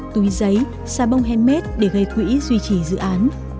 túi giấy xà bông handmade để gây quỹ duy trì dự án